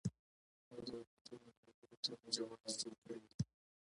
او د حکومتونو نړولو ته مو جواز جوړ کړی دی.